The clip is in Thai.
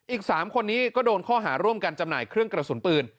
อีก๓คนนี้ก็โดนข้อหาร่วมกันจำหน่ายเครื่องกระสุนปืน